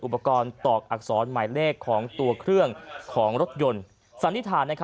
อุปกรณ์ตอกอักษรหมายเลขของตัวเครื่องของรถยนต์สันนิษฐาน